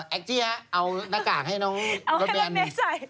แอคเจียเอาหน้ากากให้น้องโรแบรนด์เอาให้น้องแม่ใส่